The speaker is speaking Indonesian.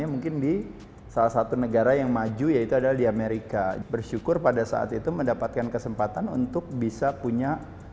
mungkin kalau dia susah untuk menaikkan berat badan ya